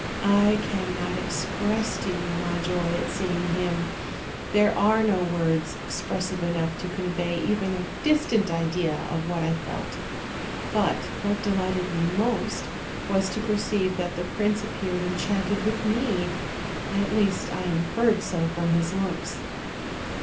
I cannot express to you my joy at seeing him; there are no words expressive enough to convey even 'a distant idea of what I felt. But what delighted me most was to perceive that the prince appeared enchanted with me; at least, I inferred so from his looks.